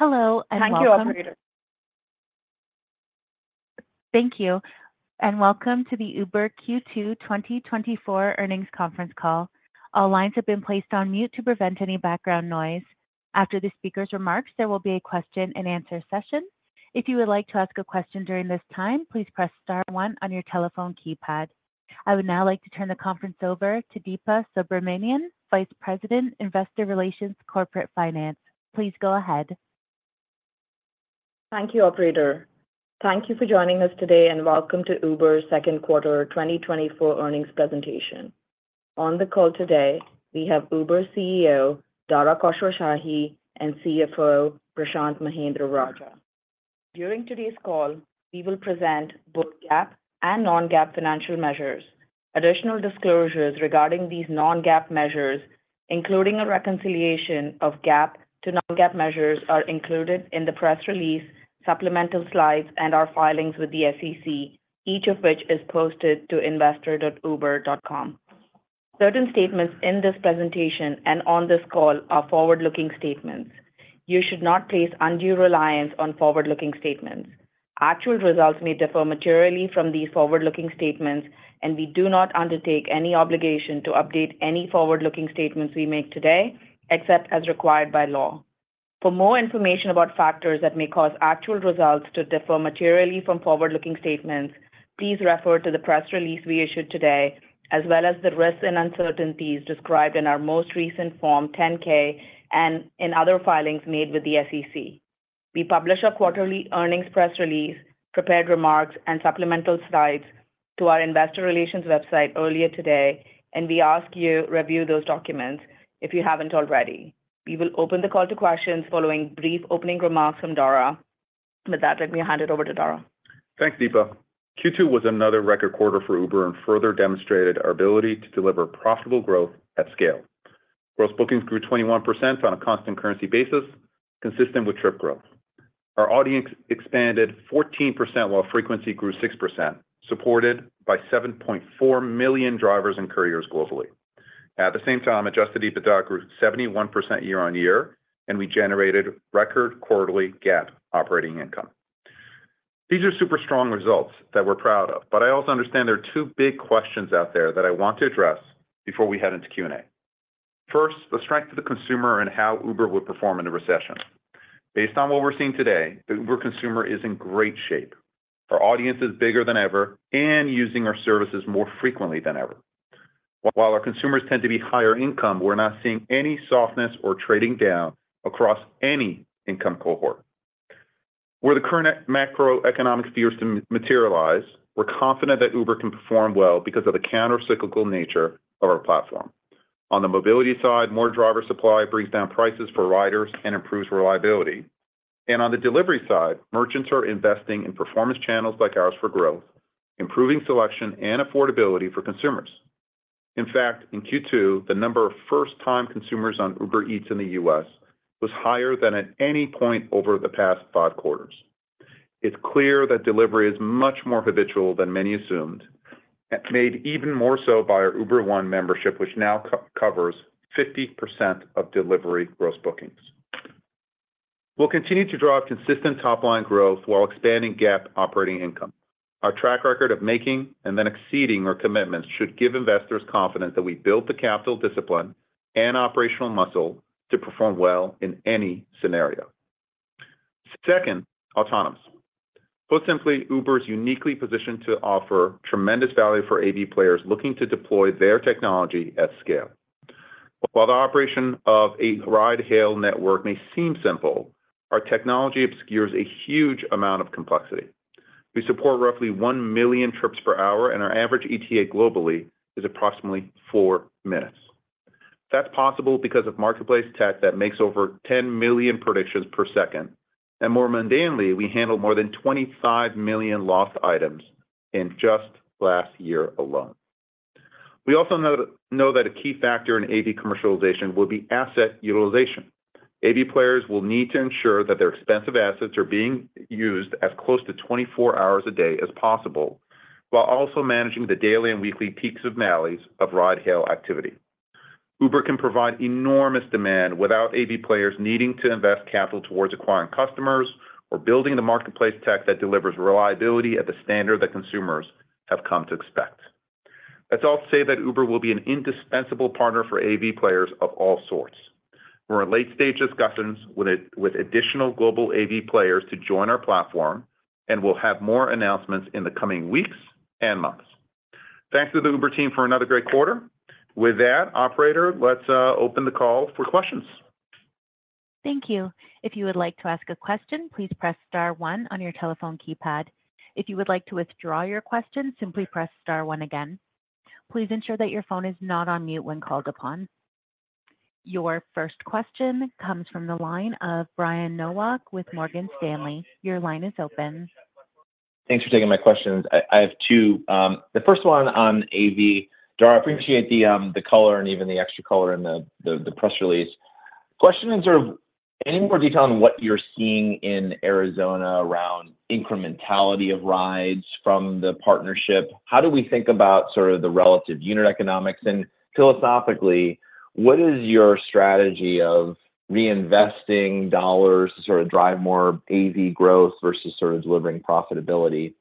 Hello and welcome. Thank you, operator. Thank you, and welcome to the Uber Q2 2024 earnings conference call. All lines have been placed on mute to prevent any background noise. After the speaker's remarks, there will be a question-and-answer session. If you would like to ask a question during this time, please press star one on your telephone keypad. I would now like to turn the conference over to Deepa Subramanian, Vice President, Investor Relations, Corporate Finance. Please go ahead. Thank you, operator. Thank you for joining us today, and welcome to Uber's second quarter 2024 earnings presentation. On the call today, we have Uber CEO, Dara Khosrowshahi, and CFO, Prashanth Mahendra-Rajah. During today's call, we will present both GAAP and non-GAAP financial measures. Additional disclosures regarding these non-GAAP measures, including a reconciliation of GAAP to non-GAAP measures, are included in the press release, supplemental slides, and our filings with the SEC, each of which is posted to investor.uber.com. Certain statements in this presentation and on this call are forward-looking statements. You should not place undue reliance on forward-looking statements. Actual results may differ materially from these forward-looking statements, and we do not undertake any obligation to update any forward-looking statements we make today, except as required by law. For more information about factors that may cause actual results to differ materially from forward-looking statements, please refer to the press release we issued today, as well as the risks and uncertainties described in our most recent Form 10-K, and in other filings made with the SEC. We published our quarterly earnings press release, prepared remarks, and supplemental slides to our investor relations website earlier today, and we ask you review those documents if you haven't already. We will open the call to questions following brief opening remarks from Dara. With that, let me hand it over to Dara. Thanks, Deepa. Q2 was another record quarter for Uber and further demonstrated our ability to deliver profitable growth at scale. Gross bookings grew 21% on a constant currency basis, consistent with trip growth. Our audience expanded 14%, while frequency grew 6%, supported by 7.4 million drivers and couriers globally. At the same time, adjusted EBITDA grew 71% year-on-year, and we generated record quarterly GAAP operating income. These are super strong results that we're proud of, but I also understand there are two big questions out there that I want to address before we head into Q&A. First, the strength of the consumer and how Uber will perform in a recession. Based on what we're seeing today, the Uber consumer is in great shape. Our audience is bigger than ever and using our services more frequently than ever. While our consumers tend to be higher income, we're not seeing any softness or trading down across any income cohort. If the current macroeconomic fears fail to materialize, we're confident that Uber can perform well because of the countercyclical nature of our platform. On the mobility side, more driver supply brings down prices for riders and improves reliability. On the delivery side, merchants are investing in performance channels like ours for growth, improving selection and affordability for consumers. In fact, in Q2, the number of first-time consumers on Uber Eats in the U.S. was higher than at any point over the past five quarters. It's clear that delivery is much more habitual than many assumed, made even more so by our Uber One membership, which now accounts for 50% of delivery gross bookings. We'll continue to drive consistent top-line growth while expanding GAAP operating income. Our track record of making and then exceeding our commitments should give investors confidence that we built the capital discipline and operational muscle to perform well in any scenario. Second, autonomous. Put simply, Uber is uniquely positioned to offer tremendous value for AV players looking to deploy their technology at scale. While the operation of a ride hail network may seem simple, our technology obscures a huge amount of complexity. We support roughly 1 million trips per hour, and our average ETA globally is approximately 4 minutes. That's possible because of marketplace tech that makes over 10 million predictions per second, and more mundanely, we handle more than 25 million lost items in just last year alone. We also know that a key factor in AV commercialization will be asset utilization. AV players will need to ensure that their expensive assets are being used as close to 24 hours a day as possible, while also managing the daily and weekly peaks and valleys of ride hail activity. Uber can provide enormous demand without AV players needing to invest capital towards acquiring customers or building the marketplace tech that delivers reliability at the standard that consumers have come to expect. Let's all say that Uber will be an indispensable partner for AV players of all sorts. We're in late-stage discussions with additional global AV players to join our platform, and we'll have more announcements in the coming weeks and months. Thanks to the Uber team for another great quarter. With that, operator, let's open the call for questions. Thank you. If you would like to ask a question, please press star one on your telephone keypad. If you would like to withdraw your question, simply press star one again. Please ensure that your phone is not on mute when called upon. Your first question comes from the line of Brian Nowak with Morgan Stanley. Your line is open. Thanks for taking my questions. I have two, the first one on AV. Dara, I appreciate the color and even the extra color in the press release. Question, is there any more detail on what you're seeing in Arizona around incrementality of rides from the partnership? How do we think about sort of the relative unit economics? And philosophically, what is your strategy of reinvesting dollars to sort of drive more AV growth versus sort of delivering profitability?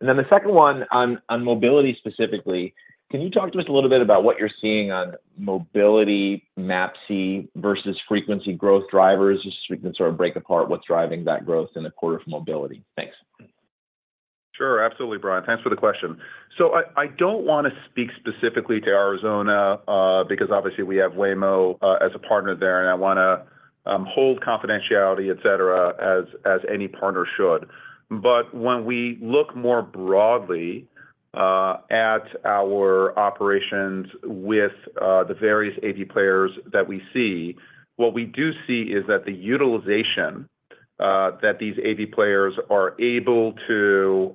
And then the second one on mobility specifically, can you talk to us a little bit about what you're seeing on mobility, MAPC versus frequency growth drivers? Just so we can sort of break apart what's driving that growth in the quarter for mobility. Thanks. Sure. Absolutely, Brian. Thanks for the question. So I don't wanna speak specifically to Arizona, because obviously we have Waymo as a partner there, and I wanna hold confidentiality, et cetera, as any partner should. But when we look more broadly at our operations with the various AV players that we see, what we do see is that the utilization that these AV players are able to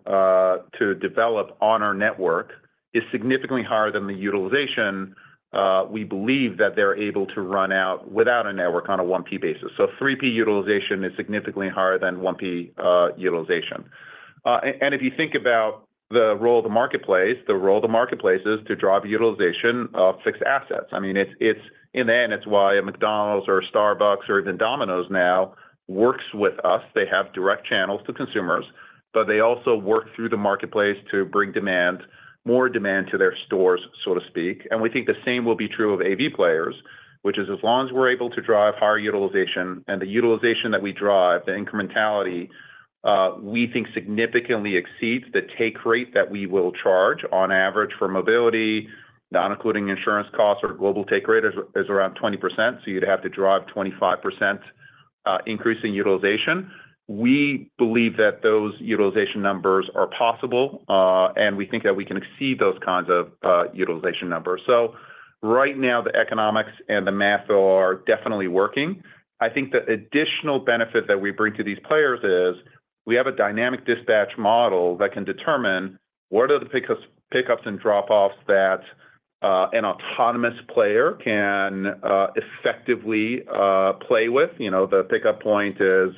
develop on our network is significantly higher than the utilization we believe that they're able to run out without a network on a 1P basis. So 3P utilization is significantly higher than 1P utilization. And if you think about the role of the marketplace, the role of the marketplace is to drive utilization of fixed assets. I mean, it's in the end, it's why a McDonald's or a Starbucks or even Domino's now works with us. They have direct channels to consumers, but they also work through the marketplace to bring demand, more demand to their stores, so to speak. And we think the same will be true of AV players, which is as long as we're able to drive higher utilization, and the utilization that we drive, the incrementality, we think significantly exceeds the take rate that we will charge. On average for mobility, not including insurance costs, our global take rate is around 20%, so you'd have to drive 25% increase in utilization. We believe that those utilization numbers are possible, and we think that we can exceed those kinds of utilization numbers. So right now, the economics and the math are definitely working. I think the additional benefit that we bring to these players is, we have a dynamic dispatch model that can determine what are the pickups and dropoffs that an autonomous player can effectively play with. You know, the pickup point is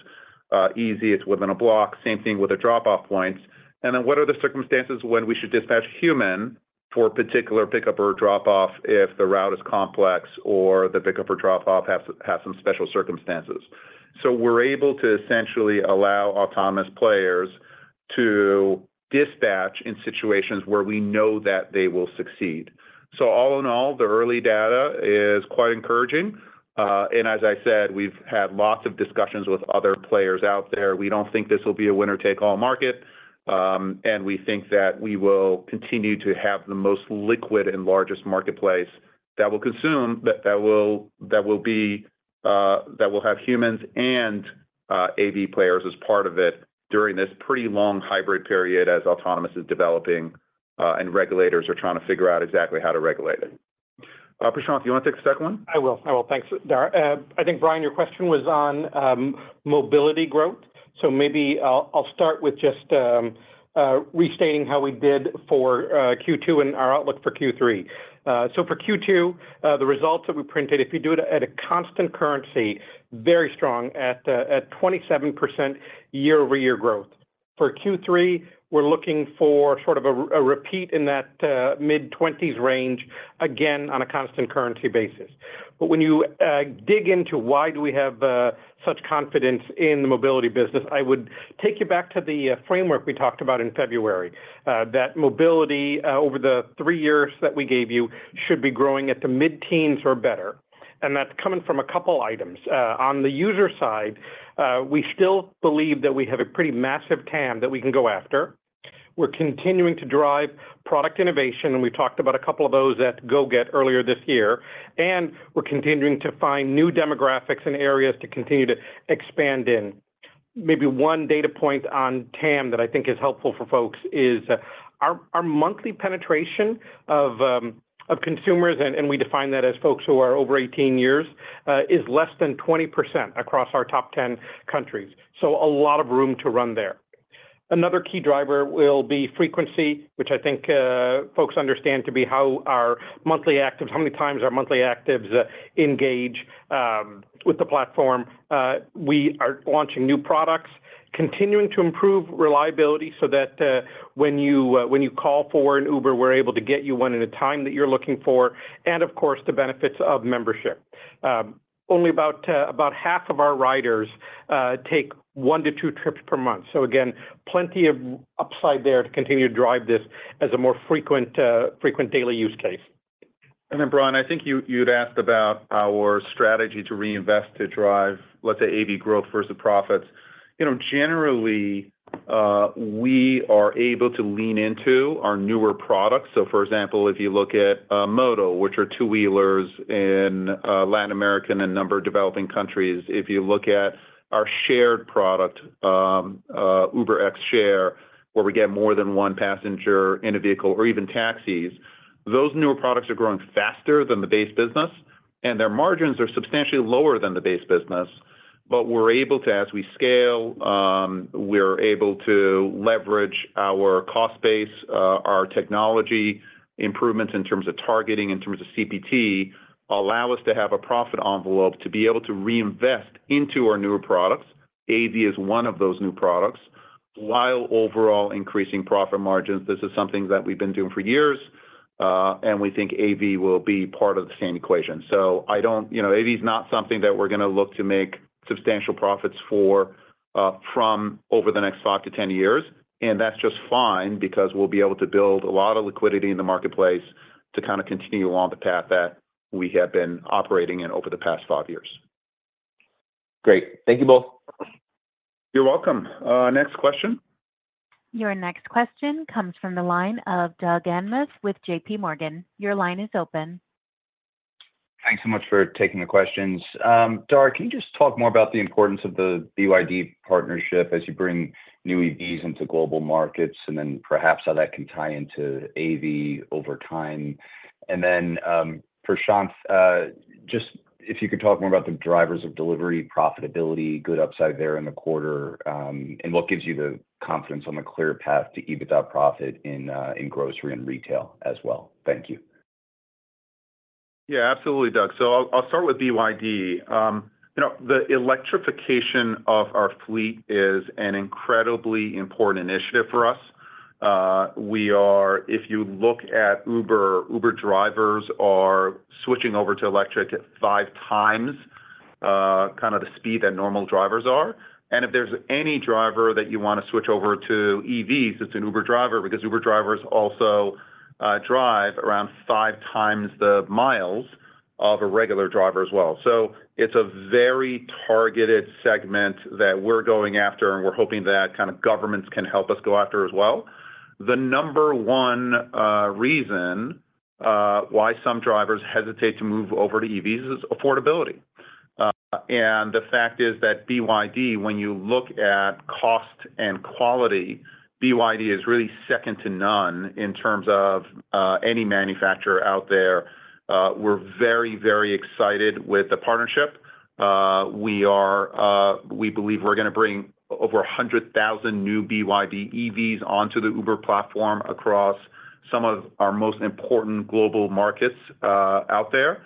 easy, it's within a block, same thing with the drop-off points. And then what are the circumstances when we should dispatch human for a particular pickup or a drop-off if the route is complex or the pickup or drop-off has some special circumstances? So we're able to essentially allow autonomous players to dispatch in situations where we know that they will succeed. So all in all, the early data is quite encouraging. And as I said, we've had lots of discussions with other players out there. We don't think this will be a winner-take-all market, and we think that we will continue to have the most liquid and largest marketplace that will have humans and AV players as part of it during this pretty long hybrid period as autonomous is developing, and regulators are trying to figure out exactly how to regulate it. Prashanth, do you want to take the second one? I will. I will. Thanks, Dara. I think, Brian, your question was on, mobility growth. So maybe I'll, I'll start with just, restating how we did for, Q2 and our outlook for Q3. So for Q2, the results that we printed, if you do it at a constant currency, very strong at, at 27% year-over-year growth. For Q3, we're looking for sort of a repeat in that, mid-20s range, again, on a constant currency basis. But when you, dig into why do we have, such confidence in the mobility business, I would take you back to the, framework we talked about in February, that mobility, over the 3 years that we gave you, should be growing at the mid-teens or better. And that's coming from a couple items. On the user side, we still believe that we have a pretty massive TAM that we can go after. We're continuing to drive product innovation, and we talked about a couple of those at GO-GET earlier this year, and we're continuing to find new demographics and areas to continue to expand in. Maybe one data point on TAM that I think is helpful for folks is our monthly penetration of consumers, and we define that as folks who are over 18 years is less than 20% across our top 10 countries. So a lot of room to run there. Another key driver will be frequency, which I think folks understand to be how many times our monthly actives engage with the platform. We are launching new products, continuing to improve reliability so that, when you, when you call for an Uber, we're able to get you one at a time that you're looking for, and of course, the benefits of membership. Only about, about half of our riders, take one to two trips per month. So again, plenty of upside there to continue to drive this as a more frequent, frequent daily use case. And then, Brian, I think you, you'd asked about our strategy to reinvest, to drive, let's say, AV growth versus profits. You know, generally, we are able to lean into our newer products. So, for example, if you look at, Moto, which are two-wheelers in, Latin America and a number of developing countries, if you look at our shared product, UberX Share, where we get more than one passenger in a vehicle or even taxis, those newer products are growing faster than the base business, and their margins are substantially lower than the base business. But we're able to, as we scale, we're able to leverage our cost base, our technology improvements in terms of targeting, in terms of CPT, allow us to have a profit envelope to be able to reinvest into our newer products, AV is one of those new products, while overall increasing profit margins. This is something that we've been doing for years, and we think AV will be part of the same equation. So I don't, you know, AV is not something that we're gonna look to make substantial profits for, from over the next five to 10 years, and that's just fine because we'll be able to build a lot of liquidity in the marketplace to kind of continue along the path that we have been operating in over the past five years. Great. Thank you both. You're welcome. Next question. Your next question comes from the line of Doug Anmuth with J.P. Morgan. Your line is open. Thanks so much for taking the questions. Dara, can you just talk more about the importance of the BYD partnership as you bring new EVs into global markets, and then perhaps how that can tie into AV over time? And then, Prashant, just if you could talk more about the drivers of delivery, profitability, good upside there in the quarter, and what gives you the confidence on the clear path to EBITDA profit in, in grocery and retail as well? Thank you. Yeah, absolutely, Doug. So I'll, I'll start with BYD. You know, the electrification of our fleet is an incredibly important initiative for us. We are, if you look at Uber, Uber drivers are switching over to electric at five times kind of the speed that normal drivers are. And if there's any driver that you want to switch over to EVs, it's an Uber driver, because Uber drivers also drive around five times the miles of a regular driver as well. So it's a very targeted segment that we're going after, and we're hoping that kind of governments can help us go after as well. The number one reason why some drivers hesitate to move over to EVs is affordability. And the fact is that BYD, when you look at cost and quality, BYD is really second to none in terms of any manufacturer out there. We're very, very excited with the partnership. We are, we believe we're gonna bring over 100,000 new BYD EVs onto the Uber platform across some of our most important global markets out there.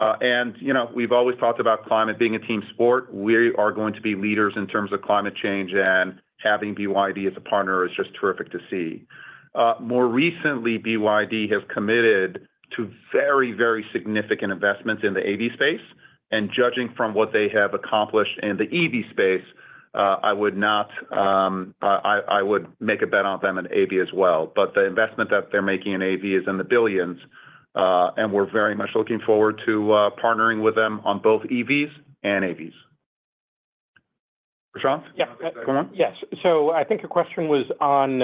And, you know, we've always talked about climate being a team sport. We are going to be leaders in terms of climate change, and having BYD as a partner is just terrific to see. More recently, BYD has committed to very, very significant investments in the AV space, and judging from what they have accomplished in the EV space, I would not, I would make a bet on them in AV as well. But the investment that they're making in AV is in the $ billions, and we're very much looking forward to partnering with them on both EVs and AVs. Prashanth? Yeah. Go on. Yes. So I think your question was on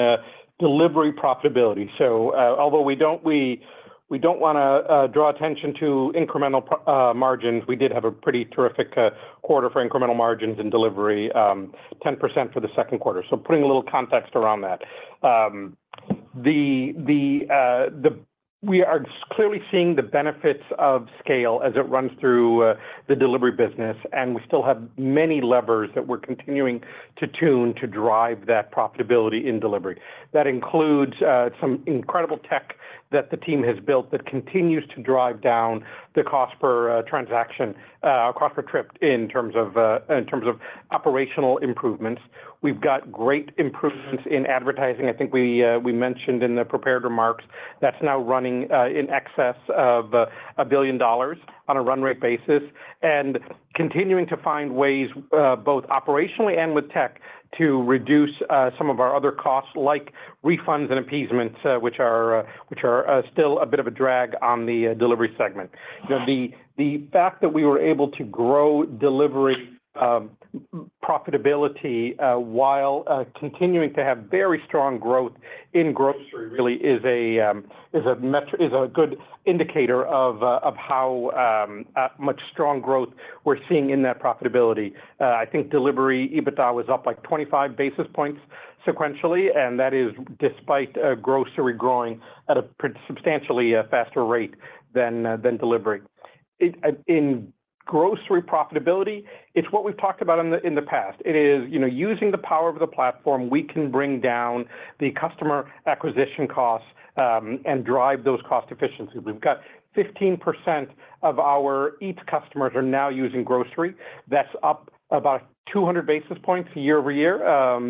delivery profitability. So, although we don't, we don't wanna draw attention to incremental margins, we did have a pretty terrific quarter for incremental margins in delivery, 10% for the second quarter. So putting a little context around that. We are clearly seeing the benefits of scale as it runs through the delivery business, and we still have many levers that we're continuing to tune to drive that profitability in delivery. That includes some incredible tech that the team has built that continues to drive down the cost per transaction, cost per trip in terms of operational improvements. We've got great improvements in advertising. I think we mentioned in the prepared remarks, that's now running in excess of $1 billion on a run rate basis, and continuing to find ways both operationally and with tech to reduce some of our other costs, like refunds and appeasements, which are still a bit of a drag on the delivery segment. The fact that we were able to grow delivery profitability while continuing to have very strong growth in grocery really is a good indicator of how much strong growth we're seeing in that profitability. I think delivery EBITDA was up, like, 25 basis points sequentially, and that is despite grocery growing at a pretty substantially faster rate than delivery. It, in grocery profitability, it's what we've talked about in the, in the past. It is, you know, using the power of the platform, we can bring down the customer acquisition costs, and drive those cost efficiencies. We've got 15% of our Eats customers are now using grocery. That's up about 200 basis points year-over-year,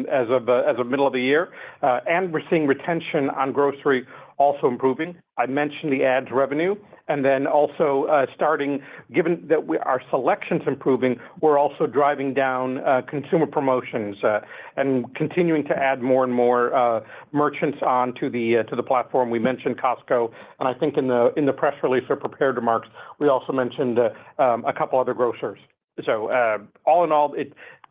as of, as of middle of the year. And we're seeing retention on grocery also improving. I mentioned the ads revenue, and then also, starting, given that we... our selection's improving, we're also driving down consumer promotions, and continuing to add more and more merchants onto the, to the platform. We mentioned Costco, and I think in the, in the press release or prepared remarks, we also mentioned a couple other grocers. So, all in all,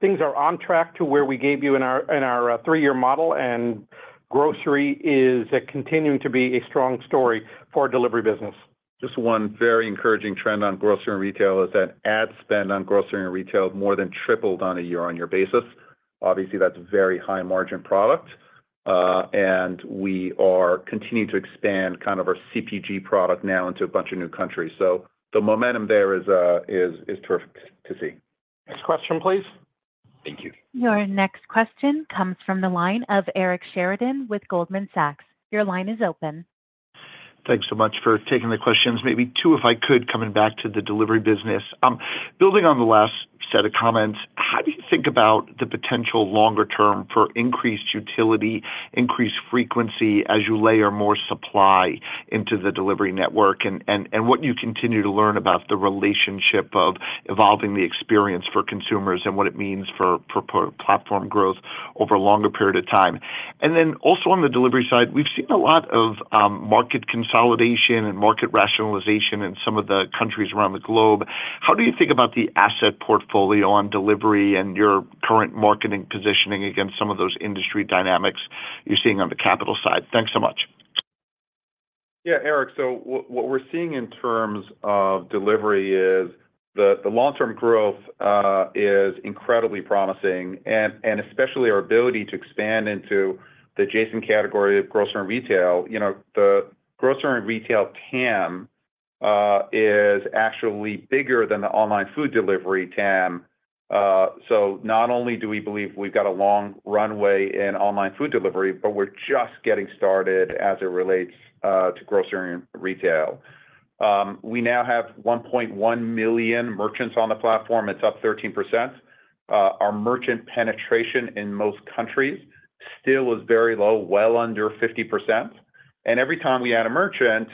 things are on track to where we gave you in our, in our, three-year model, and grocery is continuing to be a strong story for our delivery business. Just one very encouraging trend on grocery and retail is that ad spend on grocery and retail more than tripled on a year-on-year basis. Obviously, that's a very high-margin product, and we are continuing to expand kind of our CPG product now into a bunch of new countries. So the momentum there is terrific to see. Next question, please. Thank you. Your next question comes from the line of Eric Sheridan with Goldman Sachs. Your line is open. Thanks so much for taking the questions. Maybe two, if I could, coming back to the delivery business. Building on the last set of comments, how do you think about the potential longer term for increased utility, increased frequency as you layer more supply into the delivery network, and, and, and what you continue to learn about the relationship of evolving the experience for consumers and what it means for, for platform growth over a longer period of time? And then also on the delivery side, we've seen a lot of market consolidation and market rationalization in some of the countries around the globe. How do you think about the asset portfolio on delivery and your current marketing positioning against some of those industry dynamics you're seeing on the capital side? Thanks so much. Yeah, Eric, so what we're seeing in terms of delivery is the long-term growth is incredibly promising, and especially our ability to expand into the adjacent category of grocery and retail. You know, the grocery and retail TAM is actually bigger than the online food delivery TAM. So not only do we believe we've got a long runway in online food delivery, but we're just getting started as it relates to grocery and retail. We now have 1.1 million merchants on the platform. It's up 13%. Our merchant penetration in most countries still is very low, well under 50%, and every time we add a merchant,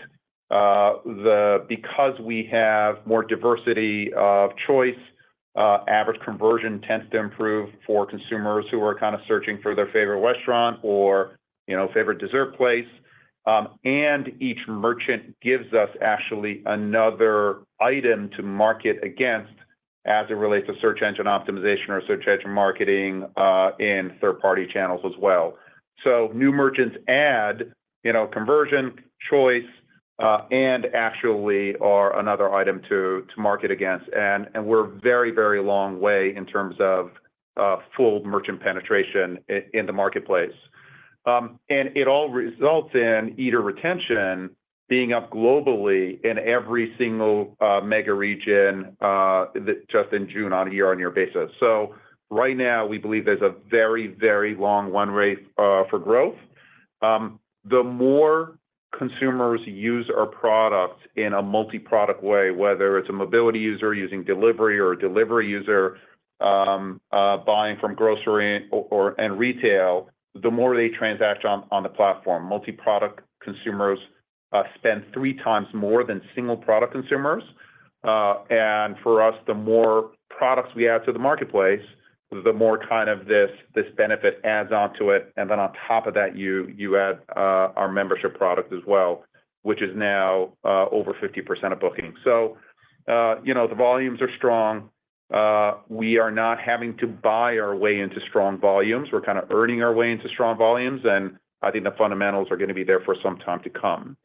because we have more diversity of choice, average conversion tends to improve for consumers who are kind of searching for their favorite restaurant or, you know, favorite dessert place. And each merchant gives us actually another item to market against as it relates to search engine optimization or search engine marketing in third-party channels as well. So new merchants add, you know, conversion, choice, and actually are another item to market against, and we're very, very long way in terms of full merchant penetration in the marketplace. And it all results in eater retention being up globally in every single mega region that just in June on a year-on-year basis. So right now we believe there's a very, very long run rate for growth. The more consumers use our product in a multiproduct way, whether it's a mobility user using delivery or a delivery user buying from grocery or and retail, the more they transact on the platform. Multiproduct consumers spend three times more than single-product consumers. And for us, the more products we add to the marketplace, the more kind of this benefit adds onto it, and then on top of that, you add our membership product as well, which is now over 50% of bookings. So you know, the volumes are strong. We are not having to buy our way into strong volumes. We're kind of earning our way into strong volumes, and I think the fundamentals are gonna be there for some time to come.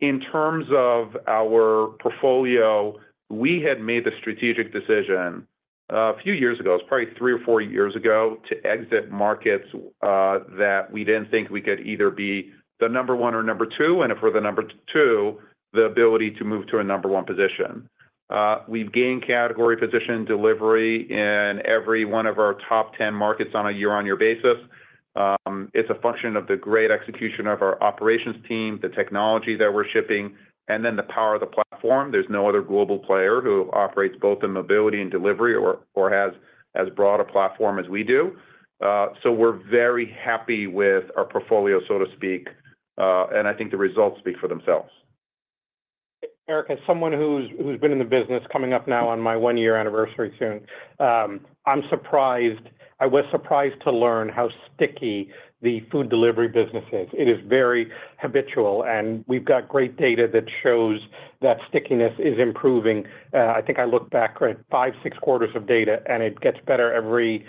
In terms of our portfolio, we had made the strategic decision a few years ago, it's probably three or four years ago, to exit markets that we didn't think we could either be the number one or number two, and if we're the number two, the ability to move to a number one position. We've gained category position delivery in every one of our top 10 markets on a year-on-year basis. It's a function of the great execution of our operations team, the technology that we're shipping, and then the power of the platform. There's no other global player who operates both in mobility and delivery or has as broad a platform as we do. So we're very happy with our portfolio, so to speak, and I think the results speak for themselves. Eric, as someone who's been in the business coming up now on my one-year anniversary soon, I'm surprised... I was surprised to learn how sticky the food delivery business is. It is very habitual, and we've got great data that shows that stickiness is improving. I think I look back at five, six quarters of data, and it gets better every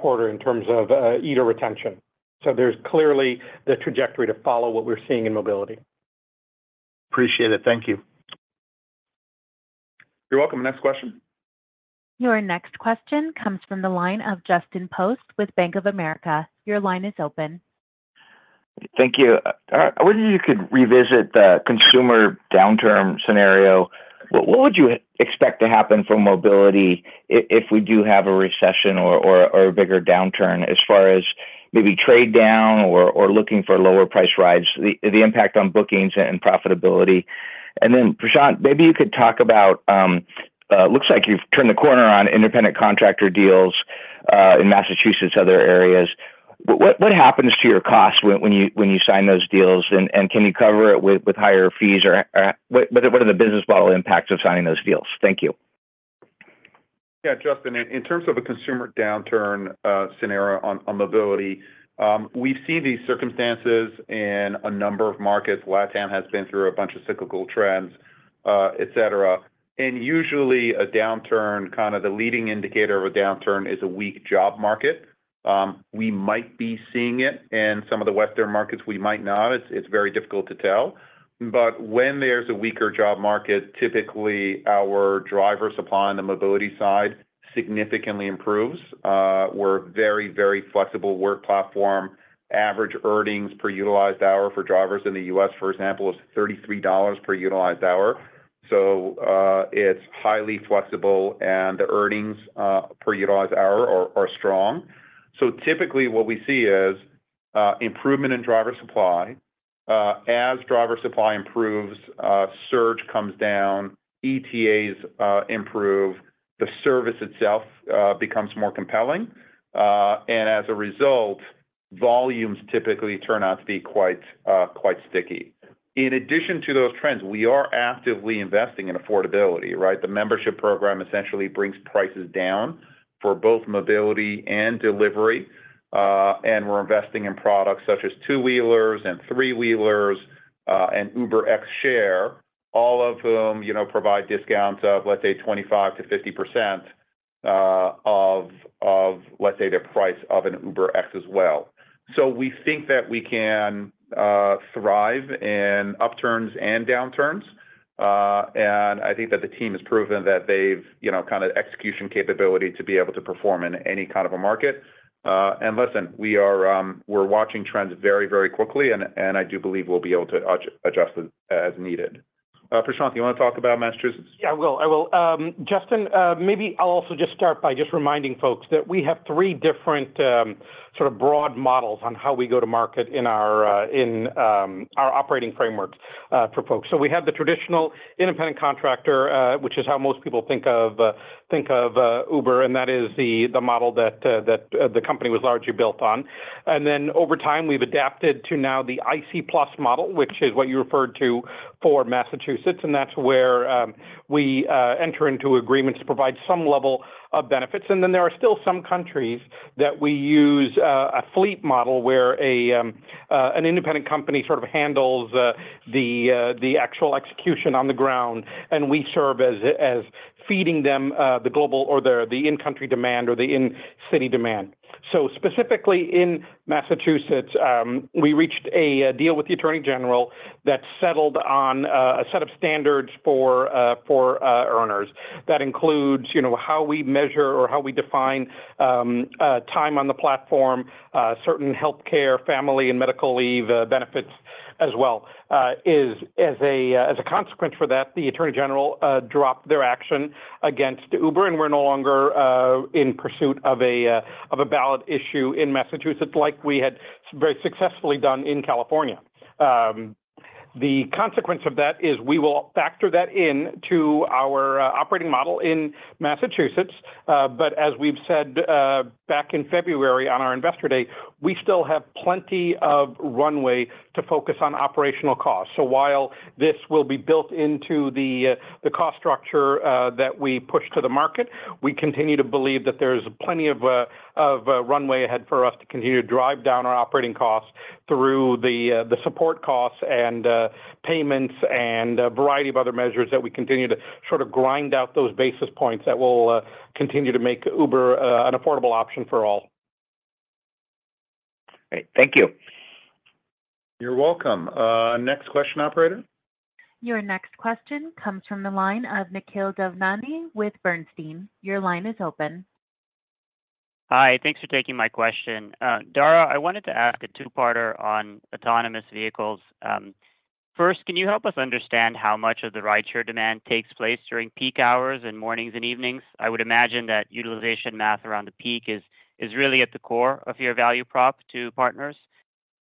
quarter in terms of eater retention. So there's clearly the trajectory to follow what we're seeing in mobility. Appreciate it. Thank you. You're welcome. Next question. Your next question comes from the line of Justin Post with Bank of America. Your line is open. Thank you. I wonder if you could revisit the consumer downturn scenario. What would you expect to happen for mobility if we do have a recession or a bigger downturn as far as maybe trade down or looking for lower price rides, the impact on bookings and profitability? And then, Prashanth, maybe you could talk about looks like you've turned the corner on independent contractor deals in Massachusetts, other areas. What happens to your costs when you sign those deals? And can you cover it with higher fees or what are the business model impacts of signing those deals? Thank you. Yeah, Justin, in terms of a consumer downturn scenario on mobility, we've seen these circumstances in a number of markets. Latam has been through a bunch of cyclical trends, et cetera. And usually a downturn, kind of the leading indicator of a downturn is a weak job market. We might be seeing it in some of the Western markets. We might not. It's very difficult to tell. But when there's a weaker job market, typically, our driver supply on the mobility side significantly improves. We're a very, very flexible work platform. Average earnings per utilized hour for drivers in the U.S., for example, is $33 per utilized hour. So, it's highly flexible, and the earnings per utilized hour are strong. So typically, what we see is improvement in driver supply. As driver supply improves, surge comes down, ETAs improve, the service itself becomes more compelling. And as a result, volumes typically turn out to be quite quite sticky. In addition to those trends, we are actively investing in affordability, right? The membership program essentially brings prices down for both mobility and delivery, and we're investing in products such as two-wheelers and three-wheelers, and UberX Share, all of whom, you know, provide discounts of, let's say, 25%-50%, of, of, let's say, the price of an UberX as well. So we think that we can thrive in upturns and downturns, and I think that the team has proven that they've, you know, kind of execution capability to be able to perform in any kind of a market. And listen, we are... We're watching trends very, very quickly, and I do believe we'll be able to adjust as needed. Prashanth, you wanna talk about Massachusetts? Yeah, I will. I will. Justin, maybe I'll also just start by just reminding folks that we have three different, sort of broad models on how we go to market in our operating frameworks for folks. So we have the traditional independent contractor, which is how most people think of Uber, and that is the model that the company was largely built on. And then over time, we've adapted to now the IC Plus model, which is what you referred to for Massachusetts, and that's where we enter into agreements to provide some level of benefits. And then there are still some countries that we use a fleet model, where an independent company sort of handles the actual execution on the ground, and we serve as feeding them the global or the in-country demand or the in-city demand. So specifically in Massachusetts, we reached a deal with the Attorney General that settled on a set of standards for earners. That includes, you know, how we measure or how we define time on the platform, certain healthcare, family, and medical leave benefits as well. As a consequence for that, the Attorney General dropped their action against Uber, and we're no longer in pursuit of a ballot issue in Massachusetts like we had very successfully done in California. The consequence of that is we will factor that into our operating model in Massachusetts. But as we've said back in February on our Investor Day, we still have plenty of runway to focus on operational costs. So while this will be built into the cost structure that we push to the market, we continue to believe that there's plenty of runway ahead for us to continue to drive down our operating costs through the support costs and payments and a variety of other measures that we continue to sort of grind out those basis points that will continue to make Uber an affordable option for all. Great. Thank you. You're welcome. Next question, operator. Your next question comes from the line of Nikhil Devnani with Bernstein. Your line is open. Hi, thanks for taking my question. Dara, I wanted to ask a two-parter on autonomous vehicles. First, can you help us understand how much of the rideshare demand takes place during peak hours and mornings and evenings? I would imagine that utilization math around the peak is, is really at the core of your value prop to partners.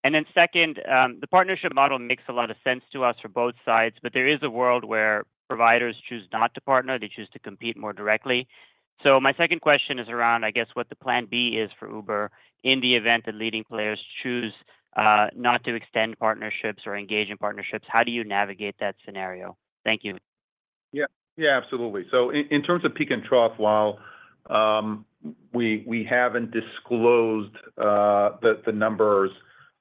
And then second, the partnership model makes a lot of sense to us for both sides, but there is a world where providers choose not to partner, they choose to compete more directly. So my second question is around, I guess, what the plan B is for Uber in the event that leading players choose not to extend partnerships or engage in partnerships. How do you navigate that scenario? Thank you. Yeah. Yeah, absolutely. So in terms of peak and trough, while we haven't disclosed the numbers,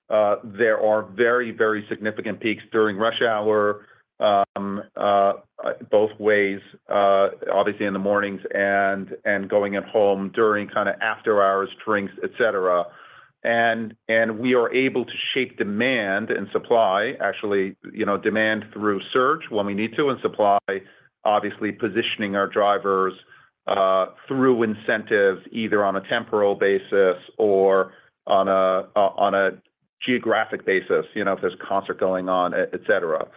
there are very, very significant peaks during rush hour, both ways, obviously in the mornings and going home during kind of after-hours drinks, et cetera. We are able to shape demand and supply, actually, you know, demand through search when we need to, and supply, obviously positioning our drivers through incentives, either on a temporal basis or on a geographic basis, you know, if there's a concert going on, et cetera.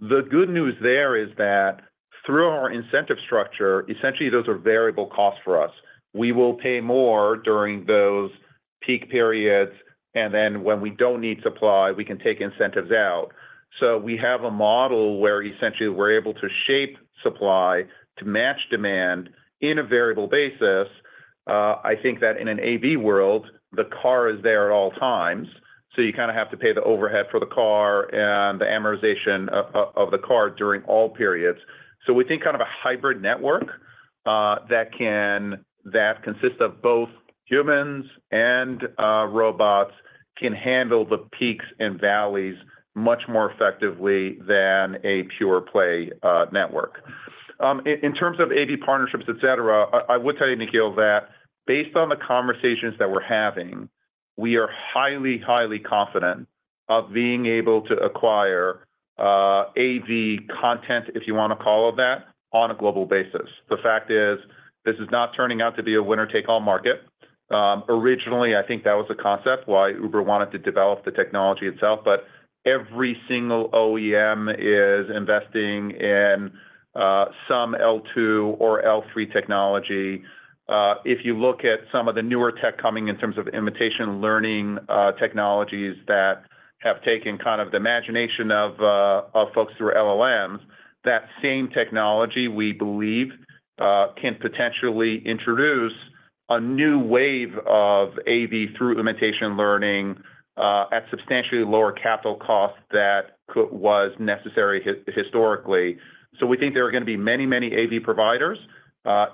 The good news there is that through our incentive structure, essentially those are variable costs for us. We will pay more during those peak periods, and then when we don't need supply, we can take incentives out. So we have a model where essentially we're able to shape supply to match demand in a variable basis. I think that in an AV world, the car is there at all times, so you kind of have to pay the overhead for the car and the amortization of the car during all periods. So we think kind of a hybrid network that consists of both humans and robots can handle the peaks and valleys much more effectively than a pure play network. In terms of AV partnerships, et cetera, I would tell you, Nikhil, that based on the conversations that we're having, we are highly, highly confident of being able to acquire AV content, if you want to call it that, on a global basis. The fact is, this is not turning out to be a winner-take-all market. Originally, I think that was the concept why Uber wanted to develop the technology itself, but every single OEM is investing in some L2 or L3 technology. If you look at some of the newer tech coming in terms of imitation learning, technologies that have taken kind of the imagination of folks through LLMs, that same technology, we believe, can potentially introduce a new wave of AV through imitation learning at substantially lower capital costs than was necessary historically. So we think there are going to be many, many AV providers.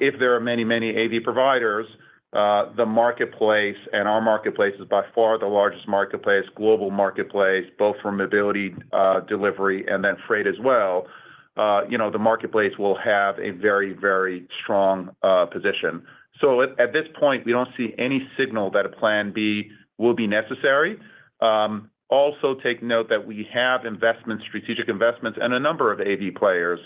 If there are many, many AV providers, the marketplace, and our marketplace is by far the largest marketplace, global marketplace, both for mobility, delivery and then freight as well, you know, the marketplace will have a very, very strong position. So at this point, we don't see any signal that a plan B will be necessary. Also take note that we have investments, strategic investments in a number of AV players.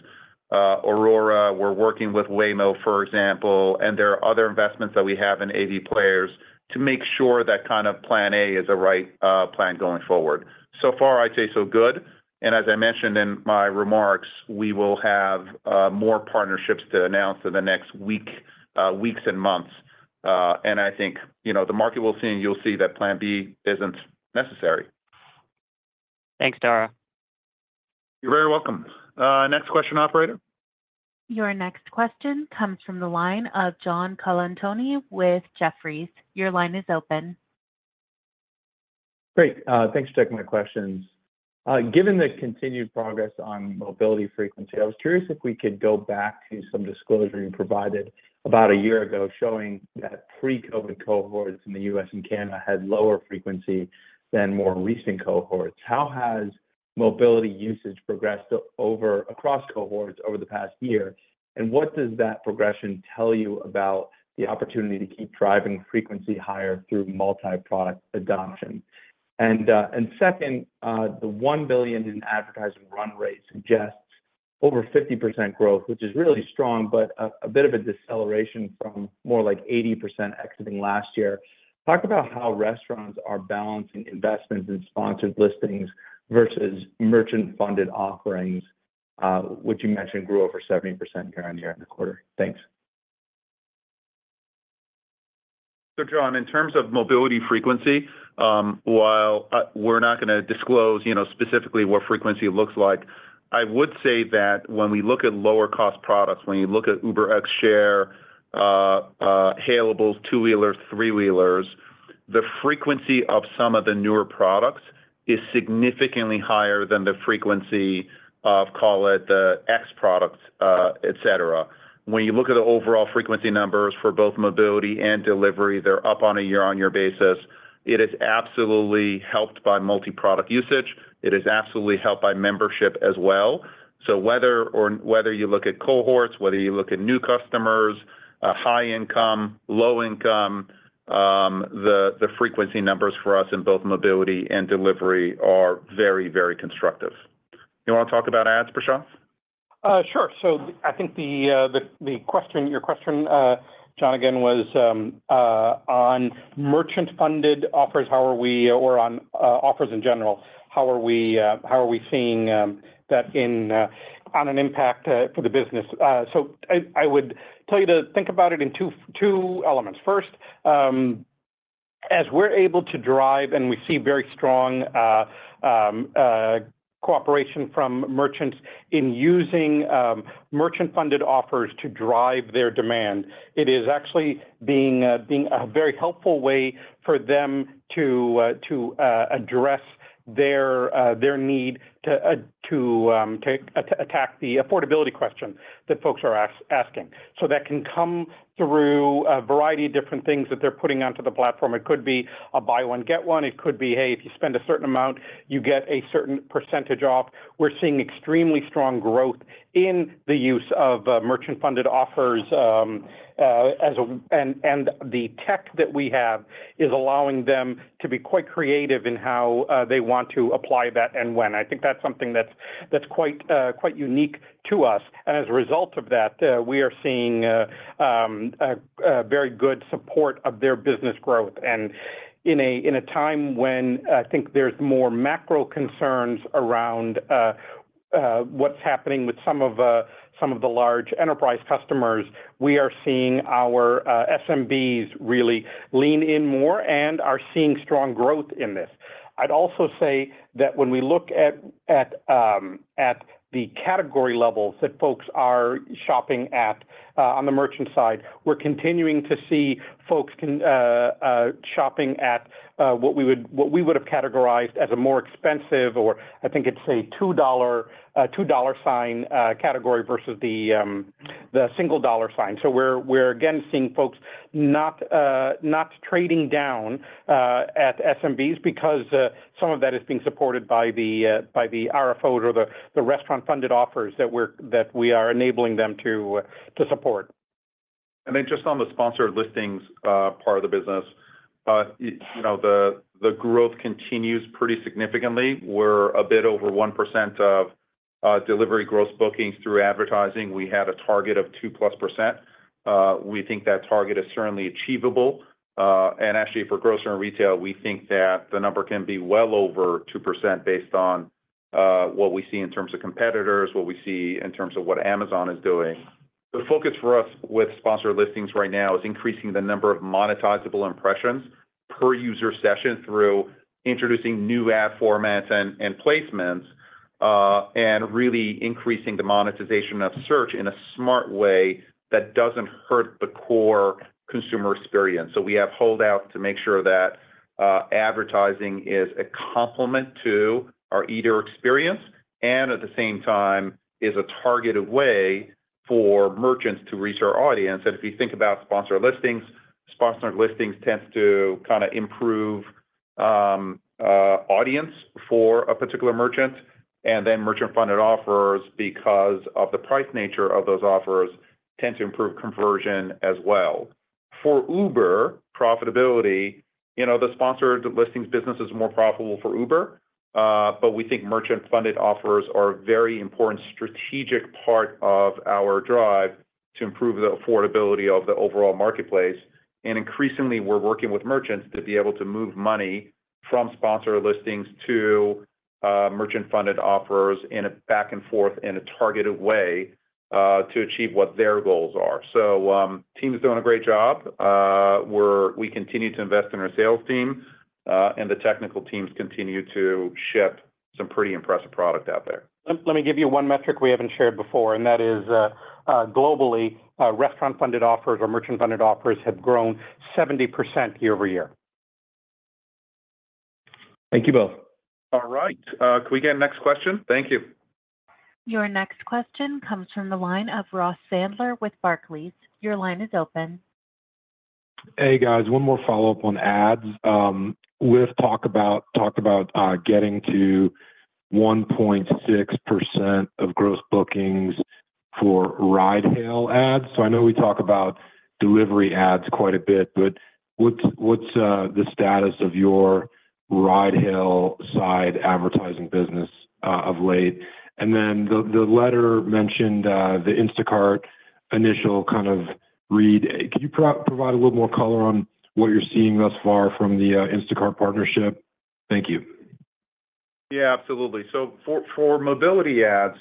Aurora, we're working with Waymo, for example, and there are other investments that we have in AV players to make sure that kind of plan A is the right plan going forward. So far, I'd say so good, and as I mentioned in my remarks, we will have more partnerships to announce in the next week, weeks and months. I think, you know, the market will see, and you'll see that plan B isn't necessary. Thanks, Dara. You're very welcome. Next question, operator? Your next question comes from the line of John Colantuoni with Jefferies. Your line is open. Great. Thanks for taking my questions. Given the continued progress on mobility frequency, I was curious if we could go back to some disclosure you provided about a year ago, showing that pre-COVID cohorts in the U.S. and Canada had lower frequency than more recent cohorts. How has mobility usage progressed over across cohorts over the past year? And what does that progression tell you about the opportunity to keep driving frequency higher through multi-product adoption? And second, the $1 billion in advertising run rate suggests over 50% growth, which is really strong, but a bit of a deceleration from more like 80% exiting last year. Talk about how restaurants are balancing investments in sponsored listings versus merchant-funded offerings, which you mentioned grew over 70% year-over-year in the quarter. Thanks. So John, in terms of mobility frequency, while we're not going to disclose, you know, specifically what frequency looks like, I would say that when we look at lower cost products, when you look at UberX Share, hailables, two-wheelers, three-wheelers, the frequency of some of the newer products is significantly higher than the frequency of, call it, the X products, et cetera. When you look at the overall frequency numbers for both mobility and delivery, they're up on a year-on-year basis. It is absolutely helped by multi-product usage. It is absolutely helped by membership as well. So whether you look at cohorts, whether you look at new customers, high income, low income, the frequency numbers for us in both mobility and delivery are very, very constructive. You want to talk about ads, Prashant? Sure. So I think the question, your question, John, again, was on merchant-funded offers, how are we... or on offers in general, how are we seeing that in on an impact for the business? So I would tell you to think about it in two elements. First, as we're able to drive, and we see very strong cooperation from merchants in using merchant-funded offers to drive their demand, it is actually being a very helpful way for them to address their need to attack the affordability question that folks are asking. So that can come through a variety of different things that they're putting onto the platform. It could be a buy one, get one. It could be, hey, if you spend a certain amount, you get a certain percentage off. We're seeing extremely strong growth in the use of merchant-funded offers. And the tech that we have is allowing them to be quite creative in how they want to apply that and when. I think that's something that's quite unique to us. And as a result of that, we are seeing a very good support of their business growth. And in a time when I think there's more macro concerns around what's happening with some of the large enterprise customers, we are seeing our SMBs really lean in more and are seeing strong growth in this. I'd also say that when we look at the category levels that folks are shopping at on the merchant side, we're continuing to see folks shopping at what we would have categorized as a more expensive, or I think it's a 2 dollar sign category versus the single dollar sign. So we're again seeing folks not trading down at SMBs because some of that is being supported by the RFO or the restaurant-funded offers that we are enabling them to support. Then just on the sponsored listings, part of the business, you know, the growth continues pretty significantly. We're a bit over 1% of delivery gross bookings through advertising. We had a target of 2%+. We think that target is certainly achievable. And actually, for grocery and retail, we think that the number can be well over 2% based on what we see in terms of competitors, what we see in terms of what Amazon is doing. The focus for us with sponsored listings right now is increasing the number of monetizable impressions per user session through introducing new ad formats and placements, and really increasing the monetization of search in a smart way that doesn't hurt the core consumer experience. So we have holdout to make sure that, advertising is a complement to our Eats experience, and at the same time, is a targeted way for merchants to reach our audience. If you think about sponsored listings, sponsored listings tends to kind of improve, audience for a particular merchant, and then merchant-funded offers, because of the price nature of those offers, tend to improve conversion as well. For Uber profitability, you know, the sponsored listings business is more profitable for Uber, but we think merchant-funded offers are a very important strategic part of our drive to improve the affordability of the overall marketplace. Increasingly, we're working with merchants to be able to move money from sponsored listings to, merchant-funded offers in a back and forth in a targeted way, to achieve what their goals are. So, team is doing a great job. We continue to invest in our sales team, and the technical teams continue to ship some pretty impressive product out there. Let me give you one metric we haven't shared before, and that is, globally, restaurant-funded offers or merchant-funded offers have grown 70% year-over-year. Thank you, both. All right, can we get a next question? Thank you. Your next question comes from the line of Ross Sandler with Barclays. Your line is open. Hey, guys. One more follow-up on ads. Lyft talked about getting to 1.6% of gross bookings for ride-hail ads. So I know we talk about delivery ads quite a bit, but what's the status of your ride-hail side advertising business of late? And then, the letter mentioned the Instacart initial kind of read. Can you provide a little more color on what you're seeing thus far from the Instacart partnership? Thank you. Yeah, absolutely. So for mobility ads,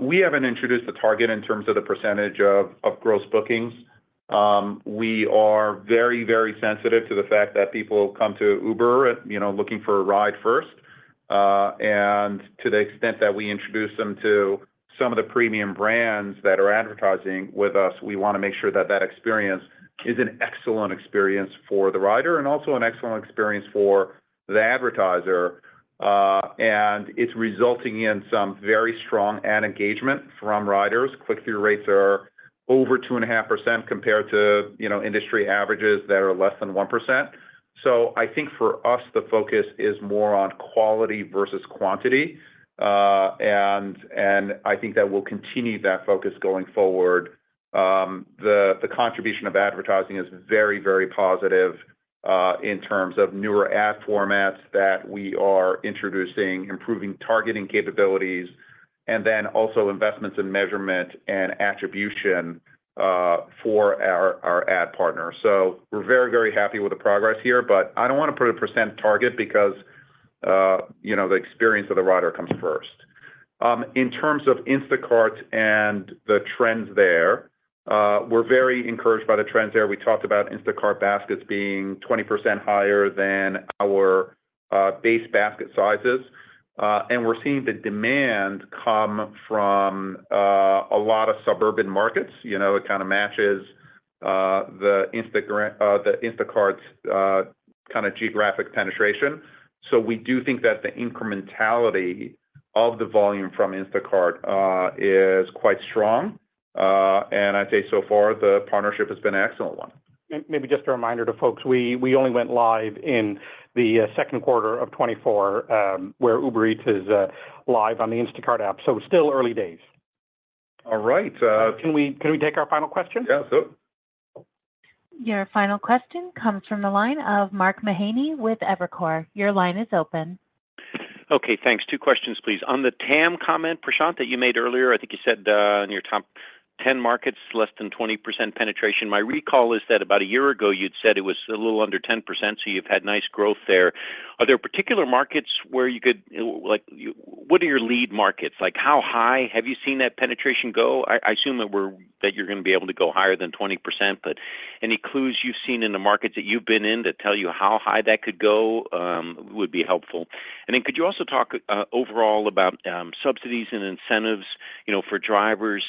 we haven't introduced a target in terms of the percentage of Gross Bookings. We are very, very sensitive to the fact that people come to Uber, you know, looking for a ride first. And to the extent that we introduce them to some of the premium brands that are advertising with us, we want to make sure that that experience is an excellent experience for the rider and also an excellent experience for the advertiser. And it's resulting in some very strong ad engagement from riders. Click-through rates are over 2.5% compared to, you know, industry averages that are less than 1%. So I think for us, the focus is more on quality versus quantity. And I think that we'll continue that focus going forward. The contribution of advertising is very, very positive in terms of newer ad formats that we are introducing, improving targeting capabilities, and then also investments in measurement and attribution for our ad partners. So we're very, very happy with the progress here, but I don't want to put a percent target because you know, the experience of the rider comes first. In terms of Instacart and the trends there, we're very encouraged by the trends there. We talked about Instacart baskets being 20% higher than our base basket sizes. And we're seeing the demand come from a lot of suburban markets. You know, it kind of matches the Instacart's kind of geographic penetration. So we do think that the incrementality of the volume from Instacart is quite strong. I'd say so far, the partnership has been an excellent one. Maybe just a reminder to folks, we only went live in the second quarter of 2024, where Uber Eats is live on the Instacart app, so still early days. All right, Can we take our final question? Yeah, sure. Your final question comes from the line of Mark Mahaney with Evercore. Your line is open. Okay, thanks. Two questions, please. On the TAM comment, Prashanth, that you made earlier, I think you said in your top 10 markets, less than 20% penetration. My recall is that about a year ago, you'd said it was a little under 10%, so you've had nice growth there. Are there particular markets where you could... Like, what are your lead markets? Like, how high have you seen that penetration go? I assume that you're going to be able to go higher than 20%, but any clues you've seen in the markets that you've been in that tell you how high that could go would be helpful. And then, could you also talk overall about subsidies and incentives, you know, for drivers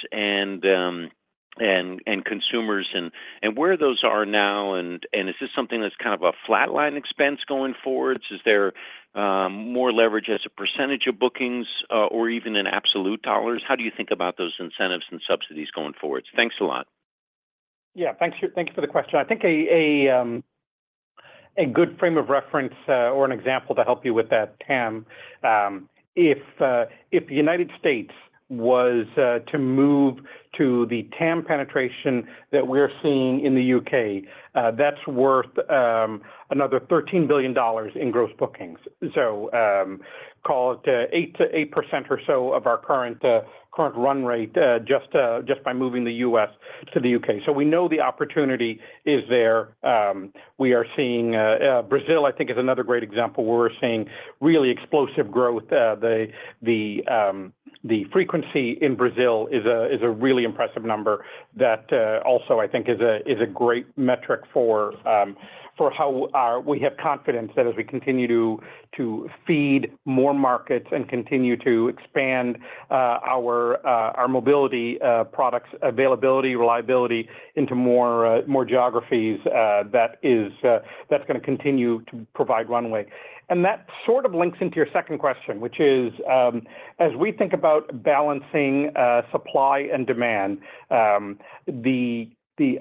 and consumers, and where those are now, and is this something that's kind of a flatline expense going forward? Is there more leverage as a percentage of bookings, or even in absolute dollars? How do you think about those incentives and subsidies going forward? Thanks a lot. Yeah. Thank you for the question. I think a good frame of reference or an example to help you with that, Tam, if the United States was to move to the TAM penetration that we're seeing in the UK, that's worth another $13 billion in gross bookings. So, call it 8%-8% or so of our current run rate, just by moving the US to the UK. So we know the opportunity is there. We are seeing Brazil, I think, is another great example, where we're seeing really explosive growth. The frequency in Brazil is a really impressive number that also I think is a great metric for how we have confidence that as we continue to feed more markets and continue to expand our mobility products availability, reliability into more geographies, that is, that's gonna continue to provide runway. And that sort of links into your second question, which is, as we think about balancing supply and demand, the--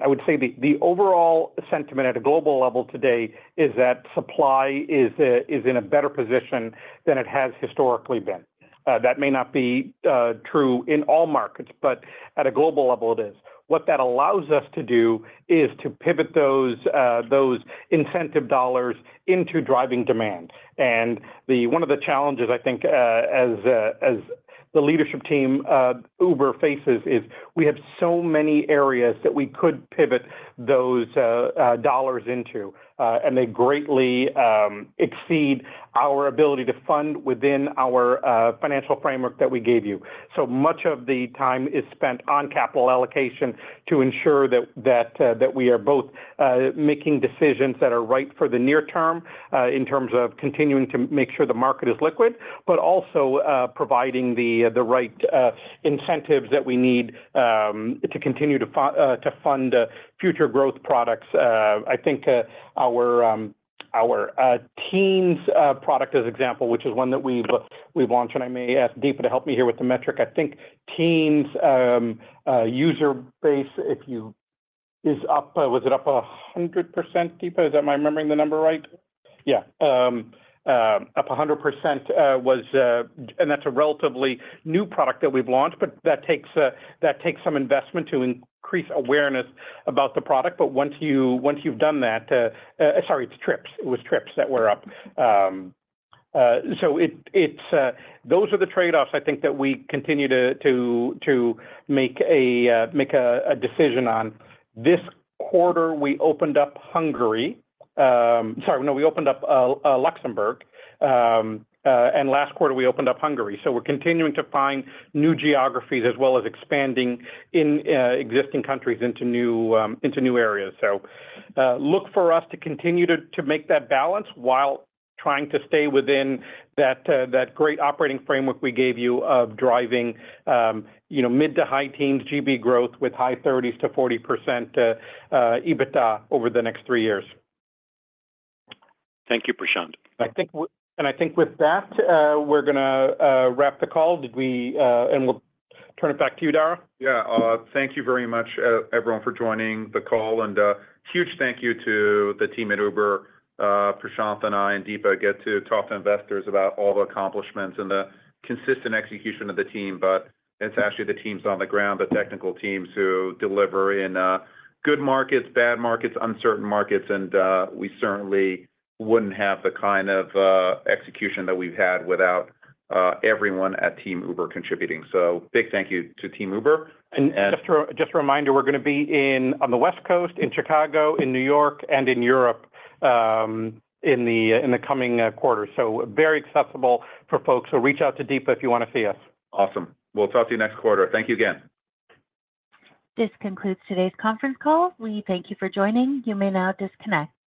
I would say the overall sentiment at a global level today is that supply is in a better position than it has historically been. That may not be true in all markets, but at a global level, it is. What that allows us to do is to pivot those incentive dollars into driving demand. And one of the challenges, I think, as the leadership team Uber faces, is we have so many areas that we could pivot those dollars into, and they greatly exceed our ability to fund within our financial framework that we gave you. So much of the time is spent on capital allocation to ensure that we are both making decisions that are right for the near term, in terms of continuing to make sure the market is liquid, but also providing the right incentives that we need to continue to fund future growth products. I think our teens product, as example, which is one that we've launched, and I may ask Deepa to help me here with the metric. I think teens user base, if you, is up, was it up 100%, Deepa? Am I remembering the number right? Yeah, up 100%, was... And that's a relatively new product that we've launched, but that takes some investment to increase awareness about the product. But once you, once you've done that, sorry, it's trips. It was trips that were up. So it's those are the trade-offs, I think, that we continue to make a decision on. This quarter, we opened up Hungary. Sorry, no, we opened up Luxembourg and last quarter, we opened up Hungary. So we're continuing to find new geographies, as well as expanding in existing countries into new areas. So, look for us to continue to make that balance while trying to stay within that great operating framework we gave you of driving, you know, mid- to high-teens GB growth with high thirties to 40% EBITDA over the next three years. Thank you, Prashanth. I think with that, we're gonna wrap the call. Did we... We'll turn it back to you, Dara. Yeah, thank you very much, everyone, for joining the call. And, huge thank you to the team at Uber. Prashanth and I and Deepa get to talk to investors about all the accomplishments and the consistent execution of the team, but it's actually the teams on the ground, the technical teams, who deliver in good markets, bad markets, uncertain markets, and we certainly wouldn't have the kind of execution that we've had without everyone at Team Uber contributing. So big thank you to Team Uber, and- Just a reminder, we're gonna be in on the West Coast, in Chicago, in New York, and in Europe in the coming quarter. So very accessible for folks. So reach out to Deepa if you want to see us. Awesome. We'll talk to you next quarter. Thank you again. This concludes today's conference call. We thank you for joining. You may now disconnect.